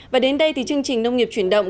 và đến đây chương trình nông nghiệp chuyển động